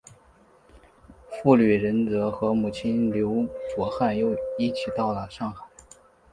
傅履仁则和母亲刘倬汉一起到了上海。